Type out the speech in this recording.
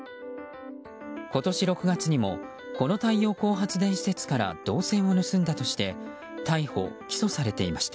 今年６月にもこの太陽光発電施設から銅線を盗んだとして逮捕・起訴されていました。